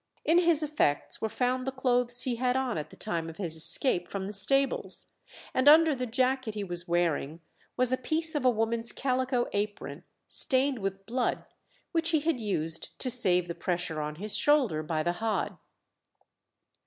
In his effects were found the clothes he had on at the time of his escape from the stables, and under the jacket he was wearing was a piece of a woman's calico apron stained with blood, which he had used to save the pressure on his shoulder by the hod.